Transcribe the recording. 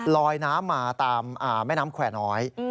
ลอยน้ำมาตามแม่น้ำแขวน้อย